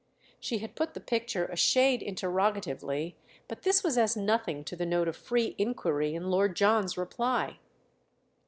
She had put the picture a shade interrogatively, but this was as nothing to the note of free inquiry in Lord John's reply.